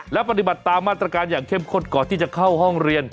และปฏิบัติตามมาตรการอย่างเข้มข้นก่อนที่จะเข้าห้องเรียน